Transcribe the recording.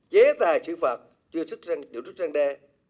chế tài trị phạt chưa sức đều sức trang đe